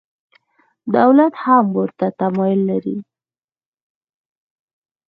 دولت هم ورته تمایل لري.